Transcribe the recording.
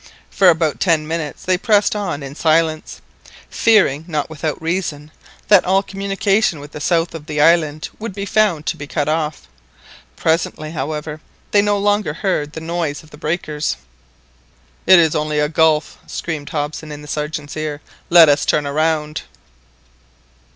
For about ten minutes they pressed on in silence, fearing, not without reason, that all communication with the south of the island would be found to be cut off. Presently, however, they no longer heard the noise of the breakers. "It is only a gulf." screamed Hobson in the Sergeant's ear. "Let us turn round."